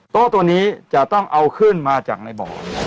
ตัวนี้จะต้องเอาขึ้นมาจากในบ่อ